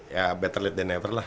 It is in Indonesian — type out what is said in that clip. ya better late than never lah